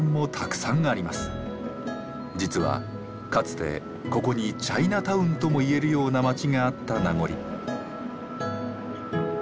実はかつてここにチャイナタウンともいえるような街があった名残。